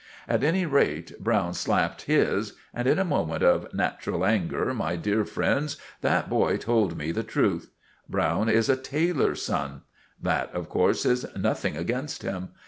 At any rate Browne slapped his, and in a moment of natural anger, my dear friends, that boy told me the truth. Browne is a tailor's son! That, of course, is nothing against him.